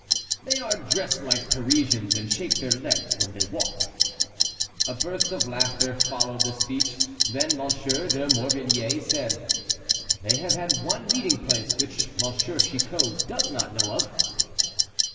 "They are dressed like Parisians, and shake their legs when they walk." A burst of laughter followed this speech; then M. de Morvilliers said, "They have had one meeting place which M. Chicot does not know of."